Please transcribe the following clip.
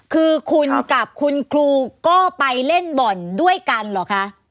คือคุณกับคุณครูก็ไปเล่นบ่อนด้วยกันเหรอคะ